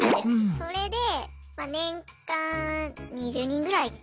それで年間２０人ぐらいは。